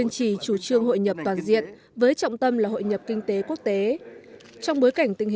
tiếp nối chương trình